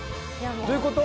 どういうこと？